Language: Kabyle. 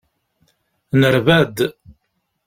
Nerba-d.